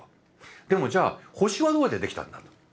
でもじゃあ星はどうやってできたんだと。